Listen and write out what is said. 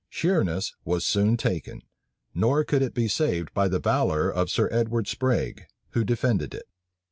Sheerness was soon taken; nor could it be saved by the valor of Sir Edward Sprague, who defended it.